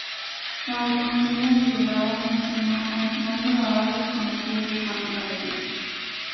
Fray Antonio de Guevara menciona a Hernando Dávalos como tío de Juan de Padilla.